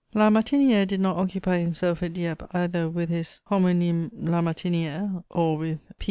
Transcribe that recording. La Martini^re did not occupy himself at Dieppe either with his homonyme Lamartini^re, or with P.